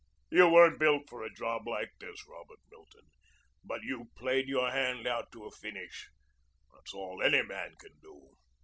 You weren't built for a job like this, Robert Milton, but you played your hand out to a finish. That's all any man can do."